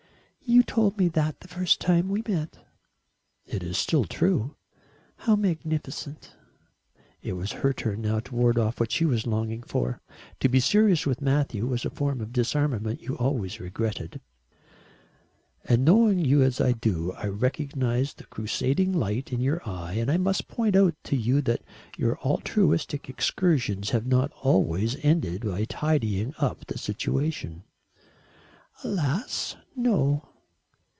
"You told me that the first time we met." "It is still true." "How magnificent." It was her turn now to ward off what she was longing for. To be serious with Matthew was a form of disarmament you always regretted. "And knowing you as I do, I recognise the crusading light in your eye and I must point out to you that your altruistic excursions have not always ended by tidying up the situation." "Alas, no."